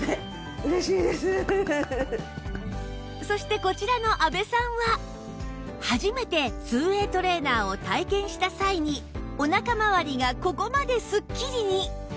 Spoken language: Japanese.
そしてこちらの阿部さんは初めて ２ＷＡＹ トレーナーを体験した際におなかまわりがここまですっきりに